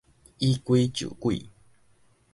以鬼就鬼